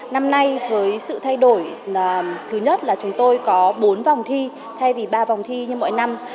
năm nay với sự thay đổi thứ nhất là chúng tôi có bốn vòng thi thay vì ba vòng thi như mọi năm